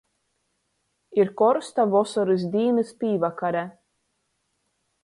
Ir korsta vosorys dīnys pīvakare.